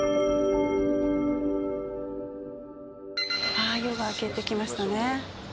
あっ夜が明けてきましたね。